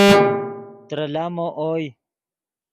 ترے لامو اوئے